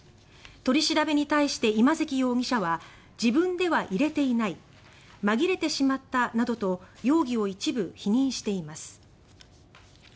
取り調べに対して今関容疑者は自分では入れていない紛れてしまったなどと容疑を一部否認しています。